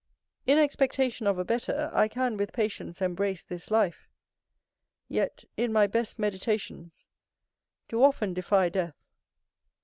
In expectation of a better, I can with patience embrace this life; yet, in my best meditations, do often defy death.